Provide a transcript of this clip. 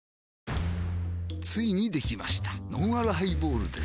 ついにできましたのんあるハイボールです